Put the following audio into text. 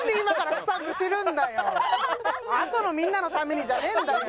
「あとのみんなのために」じゃねえんだよ！